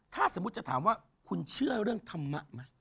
ถ้าสมมุติจะถามว่าคุณเชื่อเรื่องธรรมะไหม